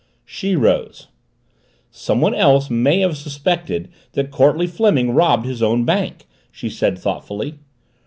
She rose. "Somebody else may have suspected that Courtleigh Fleming robbed his own bank," she said thoughtfully.